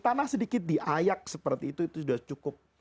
tanah sedikit diayak seperti itu itu sudah cukup